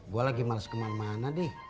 gue lagi males kemana mana deh